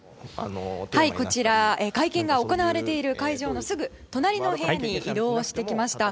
こちら会見が行われている会場のすぐ隣の部屋に移動してきました。